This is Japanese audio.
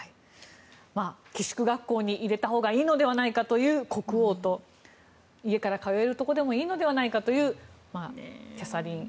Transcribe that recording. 寄宿学校に入れたほうがいいのではないかという国王と家から通えるところでもいいのではないかというキャサリン妃。